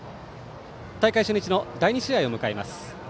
大会初日の第２試合を迎えます。